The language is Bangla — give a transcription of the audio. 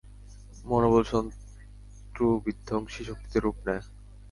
মনোবল শত্রু-বিধ্বংসী শক্তিতে রূপ নেয়।